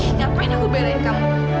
ngapain aku belain kamu